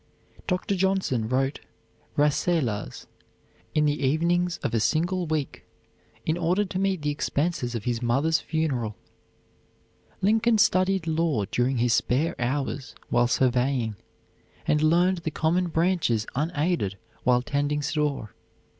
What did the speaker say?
Dr. Johnson wrote "Rasselas" in the evenings of a single week, in order to meet the expenses of his mother's funeral. Lincoln studied law during his spare hours while surveying, and learned the common branches unaided while tending store.